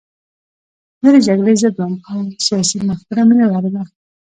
زه د جګړې ضد وم او سیاسي مفکوره مې نه لرله